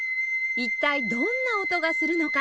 一体どんな音がするのか？